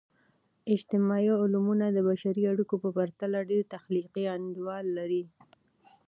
اجتماعي علمونه د بشري اړیکو په پرتله ډیر تخلیقي انډول لري.